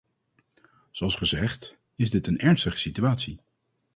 Zoals gezegd, is dit een ernstige situatie.